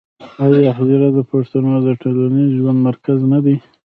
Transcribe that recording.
آیا حجره د پښتنو د ټولنیز ژوند مرکز نه دی؟